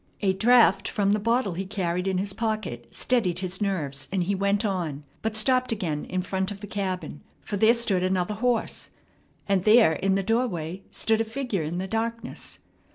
A draught from the bottle he carried in his pocket steadied his nerves, and he went on, but stopped again in front of the cabin; for there stood another horse, and there in the doorway stood a figure in the darkness!